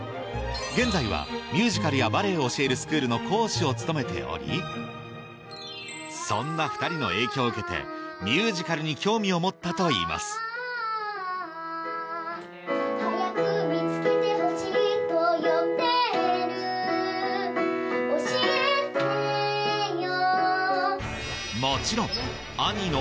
現在はミュージカルやバレエを教えるスクールの講師を務めておりそんな２人の影響を受けてミュージカルに興味を持ったといいます早く見つけて欲しいと呼んでる